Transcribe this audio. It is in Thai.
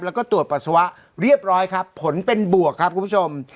แล้วก็ตรวจปัสสาวะเรียบร้อยครับผลเป็นบวกครับคุณผู้ชม